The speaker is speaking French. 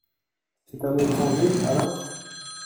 C’est un étranger, alors ?